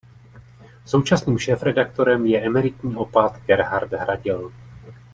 Současným šéfredaktorem je emeritní opat Gerhard Hradil.